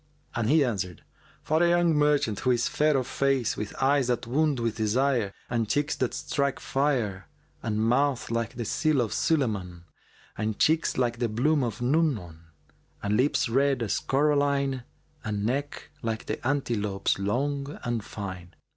and he answered, "For a young merchant, who is fair of face, with eyes that wound with desire, and cheeks that strike fire and mouth like the seal of Sulaymбn and cheeks like the bloom of Nu'mбn and lips red as coralline and neck like the antelope's long and fine.